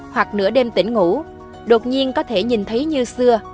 hoặc nửa đêm tỉnh ngủ đột nhiên có thể nhìn thấy như xưa